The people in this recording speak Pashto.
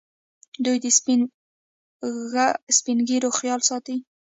دوی د سپین ږیرو خیال ساتي.